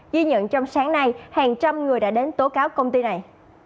ghi nhận trong sáng nay hàng trăm người đã đến tố cáo công ty này